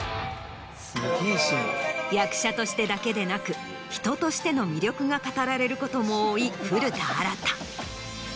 役者としてだけでなく人としての魅力が語られることも多い古田新太。